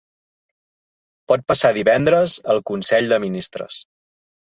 Pot passar divendres, al consell de ministres.